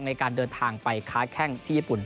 ในการเดินทางไปค้าแข้งที่ญี่ปุ่น